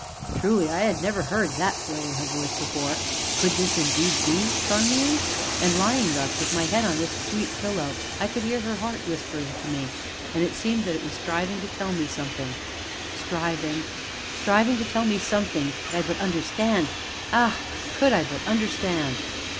Truly I had never heard that thrill in her voice before could this indeed be Charmian? And lying thus, with my head on this sweet pillow, I could hear her heart whispering to me, and it seemed that it was striving to tell me something striving, striving to tell me something, could I but understand ah! could I but understand!